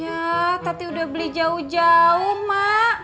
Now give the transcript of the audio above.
ya tadi udah beli jauh jauh ma